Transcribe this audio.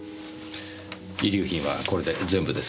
遺留品はこれで全部ですか？